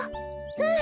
うん。